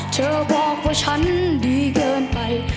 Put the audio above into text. เธอบอกว่าฉันดีเกินไป